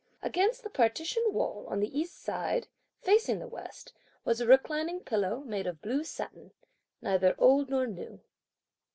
Against the partition wall, on the east side, facing the west, was a reclining pillow, made of blue satin, neither old nor new.